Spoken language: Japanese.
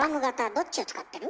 どっちを使ってる？